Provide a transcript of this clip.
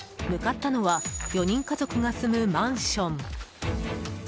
向かったのは４人家族が住むマンション。